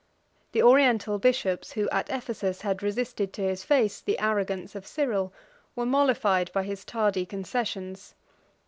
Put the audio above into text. The Oriental bishops, who at Ephesus had resisted to his face the arrogance of Cyril, were mollified by his tardy concessions.